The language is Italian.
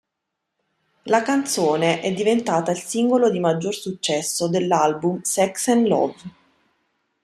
La canzone è diventata il singolo di maggior successo dell'album "Sex and Love".